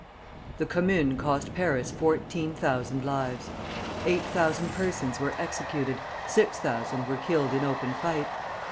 The Commune cost Paris fourteen thousand lives. Eight thousand persons were executed; six thousand were killed in open fight.